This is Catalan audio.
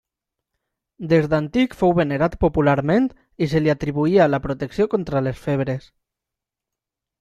Des d'antic fou venerat popularment, i se li atribuïa la protecció contra les febres.